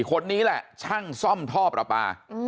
คนนี้แหละช่างซ่อมท่อประปา